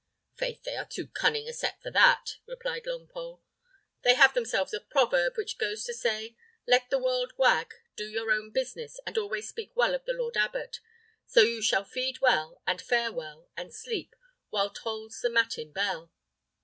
"Faith, they are too cunning a set for that," replied Longpole. "They have themselves a proverb, which goes to say, 'Let the world wag, do your own business, and always speak well of the lord abbot; so you shall feed well, and fare well, and sleep, while tolls the matin bell.'